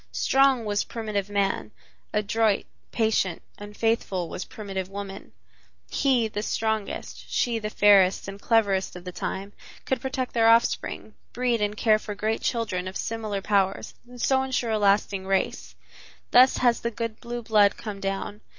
Strong was primitive man; adroit, patient and faithful was primitive woman; he, the strongest, she, the fairest and cleverest of the time, could protect their offspring, breed and care for great children of similar powers and so insure a lasting race. Thus has the good blue blood come down.